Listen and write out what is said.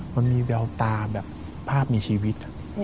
มันมีแววตาแบบภาพมีชีวิต